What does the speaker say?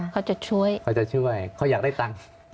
เขาจะช่วยเขาอยากได้ตังค์